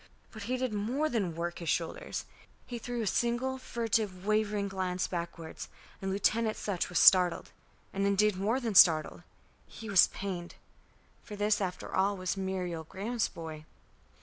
But he did more than work his shoulders. He threw a single furtive, wavering glance backwards; and Lieutenant Sutch was startled, and indeed more than startled, he was pained. For this after all was Muriel Graham's boy.